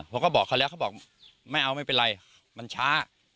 ผมก็บอกเขาแล้วไม่เอาไม่เป็นไรมันช้า